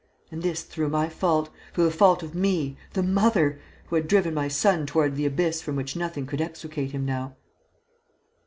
And this through my fault, through the fault of me, the mother, who had driven my son toward the abyss from which nothing could extricate him now."